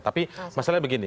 tapi masalahnya begini